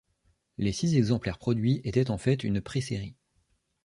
Les six exemplaires produits étaient en fait une présérie.